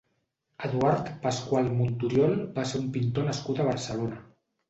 Eduard Pascual Monturiol va ser un pintor nascut a Barcelona.